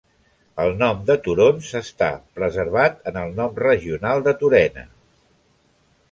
El nom de túrons està preservat en el nom regional de Turena.